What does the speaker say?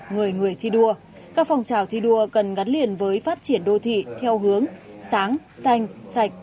người người thi đua các phong trào thi đua cần gắn liền với phát triển đô thị theo hướng sáng xanh sạch